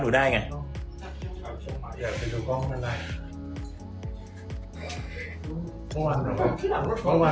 หนูก็ตามจากพี่เก่งไง